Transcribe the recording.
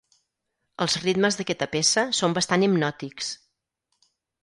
Els ritmes d'aquesta peça són bastant hipnòtics.